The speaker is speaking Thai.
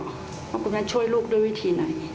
เพราะคุณแม่ช่วยลูกด้วยวิธีไหน